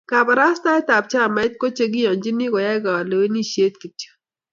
kabarastaekab chamait ko che kiyonchini koyai kalewenisiet kityo.